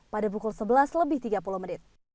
pada pukul sebelas lebih tiga puluh menit